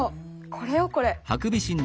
これよこれ。